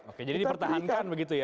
oke jadi dipertahankan begitu ya